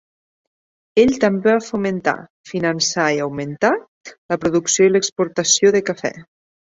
Ell també va fomentar, finançar i augmentar la producció i l'exportació de cafè.